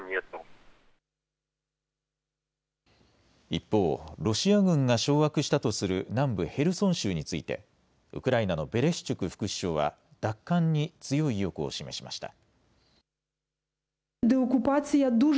一方、ロシア軍が掌握したとする南部ヘルソン州についてウクライナのベレシチュク副首相は奪還に強い意欲を示しました。